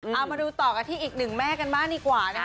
มาดูต่อกันในที่อีกหนึ่งแม่กันบ้านอีกกว่า